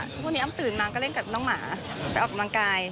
ทุกวันนี้อ้ำตื่นมาก็เล่นกับน้องหมาไปออกกำลังกาย